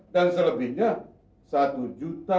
dan selebihnya satu tiga juta